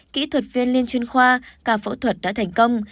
kỹ thuật viên liên chuyên khoa cả phẫu thuật đã thành công